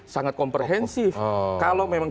sangat komprehensif kalau memang